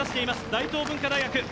大東文化大学。